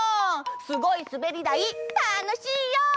すごいすべりだいたのしいよ！